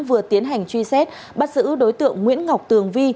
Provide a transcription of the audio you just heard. vừa tiến hành truy xét bắt giữ đối tượng nguyễn ngọc tường vi